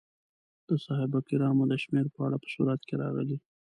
د صحابه کرامو د شمېر په اړه په سورت کې راغلي.